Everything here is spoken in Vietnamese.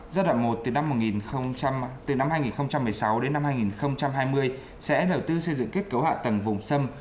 giai đoạn một từ năm một nghìn một mươi sáu đến năm hai nghìn hai mươi sẽ đầu tư xây dựng kết cấu hạ tầng vùng sâm